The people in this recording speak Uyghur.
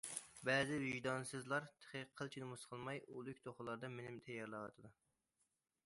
بەزى ۋىجدانسىزلار تېخى قىلچە نومۇس قىلماي، ئۆلۈك توخۇلاردا مېنى تەييارلاۋاتىدۇ.